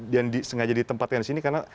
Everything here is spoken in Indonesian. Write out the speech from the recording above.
dan disengaja ditempatkan di sini karena